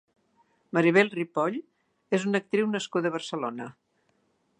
Maribel Ripoll és una actriu nascuda a Barcelona.